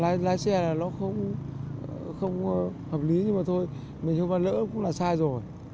lái xe là nó không hợp lý nhưng mà thôi mình không có lỡ cũng là sai rồi